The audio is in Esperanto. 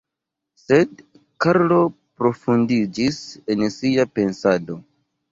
Sed Karlo profundiĝis en sia pensado.